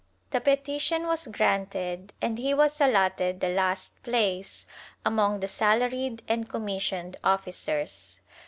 The petition was granted and he was allotted the last place among the salaried and commissioned officers.